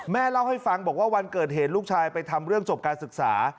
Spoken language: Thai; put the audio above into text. เล่าให้ฟังบอกว่าวันเกิดเหตุลูกชายไปทำเรื่องจบการศึกษา